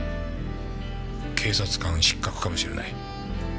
警察官失格かもしれない。